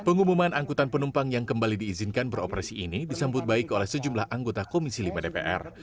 pengumuman angkutan penumpang yang kembali diizinkan beroperasi ini disambut baik oleh sejumlah anggota komisi lima dpr